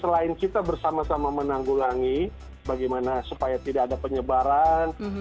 dan kita bersama sama menanggulangi bagaimana supaya tidak ada penyebaran